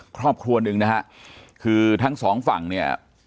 ครอบครัวหนึ่งนะฮะคือทั้งสองฝั่งเนี่ย